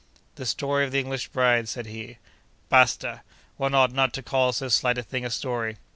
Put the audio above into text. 'The story of the English bride?' said he. 'Basta! one ought not to call so slight a thing a story.